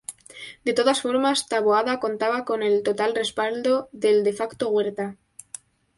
De todas formas, Taboada contaba con el total respaldo del de facto Huerta.